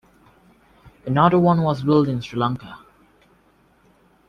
Another one was built in Sri Lanka.